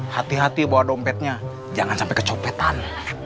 hati hati bawa dompetnya jangan sampai kecopetan